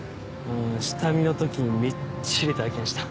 うん下見のときにみっちり体験した。